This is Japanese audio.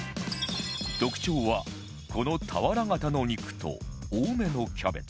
特徴はこの俵型の肉と多めのキャベツ